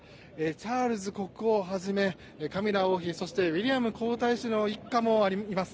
チャールズ国王をはじめカミラ王妃そしてウィリアム皇太子の一家もいます。